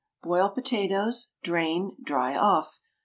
Boil potatoes. Drain; dry off.